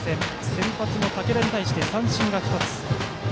先発の竹田に対して三振が２つ。